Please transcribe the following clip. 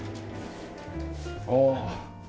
ああ。